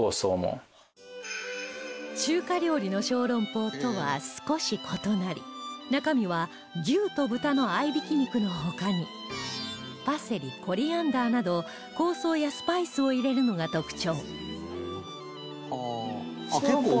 中華料理の小籠包とは少し異なり中身は牛と豚の合いびき肉の他にパセリコリアンダーなど香草やスパイスを入れるのが特徴